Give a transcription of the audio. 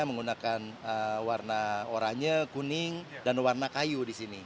menggunakan warna oranye kuning dan warna kayu di sini